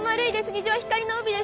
虹は光の帯です。